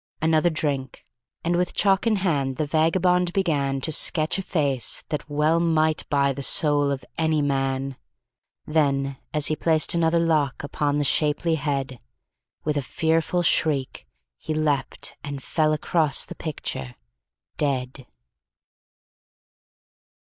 Another drink, and with chalk in hand, the vagabond began To sketch a face that well might buy the soul of any man. Then, as he placed another lock upon the shapely head, With a fearful shriek, he leaped and fell across the picture dead.